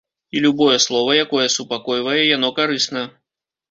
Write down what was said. І любое слова, якое супакойвае, яно карысна.